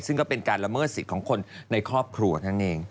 ซึ่งก็เป็นการละเมิดสิทธิ์ของคนในครอบครัวนั่นเอง